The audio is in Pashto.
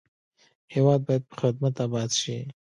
هېواد باید په خدمت اباد شي.